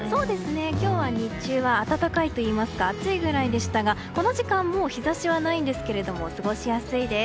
今日は日中は暖かいといいますか暑いぐらいでしたが、この時間もう日差しはないんですが過ごしやすいです。